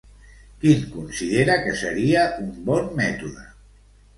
Quin considera que seria un bon mètode?